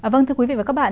vâng thưa quý vị và các bạn